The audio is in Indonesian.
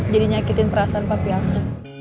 jadi nyakitin perasaan papi aku